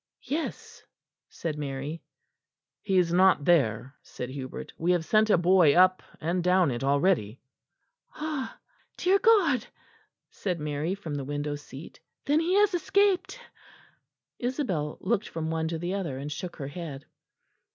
"Yes," said Mary. "He is not there," said Hubert; "we have sent a boy up and down it already." "Ah! dear God!" said Mary from the window seat, "then he has escaped." Isabel looked from one to the other and shook her head.